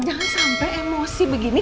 jangan sampai emosi begini